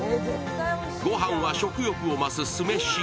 御飯は食欲を増す酢飯。